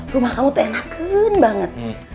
rumah kamu tuh enak banget